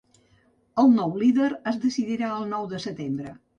El nou líder es decidirà el nou de setembre.